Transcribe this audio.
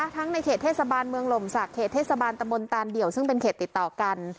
ในเขตเทศบาลเมืองหล่มศักดิ์เขตเทศบาลตะมนตานเดี่ยวซึ่งเป็นเขตติดต่อกัน